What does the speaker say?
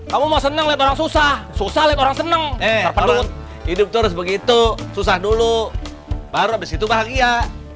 kamu mau senang susah susah orang seneng hidup terus begitu susah dulu baru habis itu bahagia